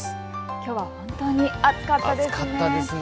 きょうは本当に暑かったですね。